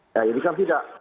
ya ini kan tidak